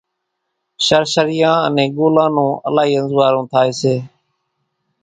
شرشريان انين ڳولان نون الائِي انزوئارون ٿائي سي۔